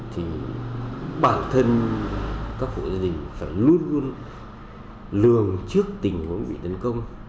thì bản thân các hộ gia đình phải luôn luôn lường trước tình huống bị tấn công